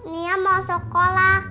nia mau sekolah